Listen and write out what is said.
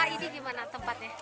ini gimana tempatnya